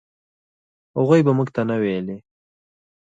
هغوی به موږ ته نه ویلې.